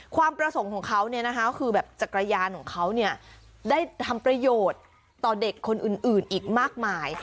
ความประสงค์ของเขาคือแบบจักรยานของเขาได้ทำประโยชน์ต่อเด็กคนอื่นอีกมากมาย